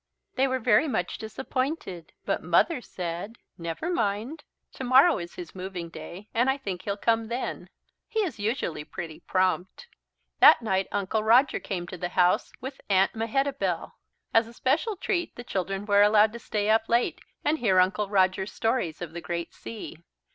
They were very much disappointed but Mother said: "Never mind, tomorrow is his Moving Day and I think he'll come then. He is usually pretty prompt." That night Uncle Roger came to the house with Aunt Mehitable. As a special treat the children were allowed to stay up late and hear Uncle Roger's stories of the great sea.